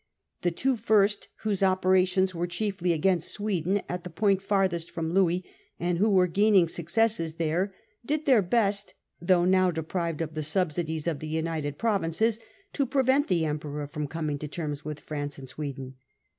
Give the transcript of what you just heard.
The two first, whose operations were chiefly against Sweden, at the point farthest from Louis, and who were gaining successes there, did their best, though now deprived of the subsidies of the United Provinces, to prevent the Emperor from Successes coming to terms with France and Sweden.